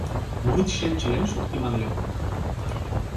মোহিত সেন ছিলেন শক্তিমান লেখক।